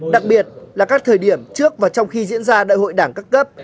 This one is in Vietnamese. đặc biệt là các thời điểm trước và trong khi diễn ra đại hội đảng các cấp